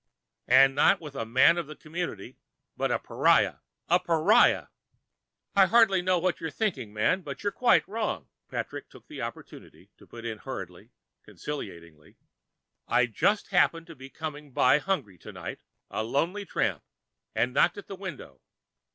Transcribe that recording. "And not with a man of the community, but a pariah! A pariah!" "I hardly know what you're thinking, man, but you're quite wrong," Patrick took the opportunity to put in hurriedly, conciliatingly. "I just happened to be coming by hungry tonight, a lonely tramp, and knocked at the window.